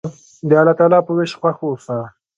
د الله تعالی په ویش خوښ اوسه.